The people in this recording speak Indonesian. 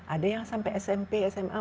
ada yang sampai smp sma